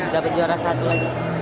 dapat juara satu lagi